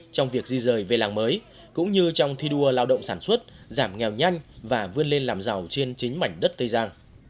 trong việc di rời về làng mới cũng như trong thi đua lao động sản xuất giảm nghèo nhanh và vươn lên làm giàu trên chính mảnh đất tây giang